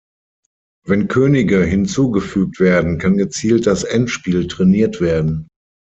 Wenn Könige hinzugefügt werden, kann gezielt das Endspiel trainiert werden.